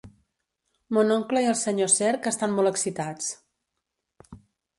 Mon oncle i el senyor Cerc estan molt excitats.